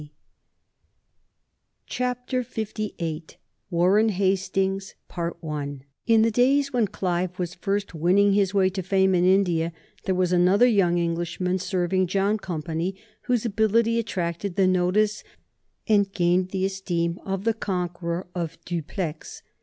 [Sidenote: 1732 The birth of Warren Hastings] In the days when Clive was first winning his way to fame in India there was another young Englishman serving John Company, whose ability attracted the notice and gained the esteem of the conqueror of Dupleix.